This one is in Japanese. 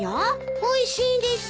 おいしいです。